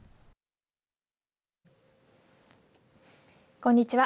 こんにちは。